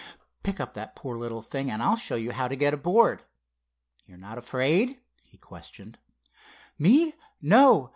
Pick up that poor little thing and I'll show you how to get aboard. You're not afraid?" he questioned. "Me? No.